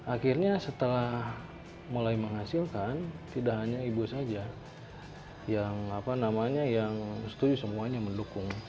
akhirnya setelah mulai menghasilkan tidak hanya ibu saja yang setuju semuanya mendukung